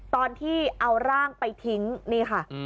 ตอนที่เอาร่างไปทิ้งนี่ค่ะ